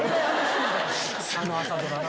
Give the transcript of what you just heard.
あの朝ドラな。